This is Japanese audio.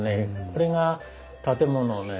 これが建物をね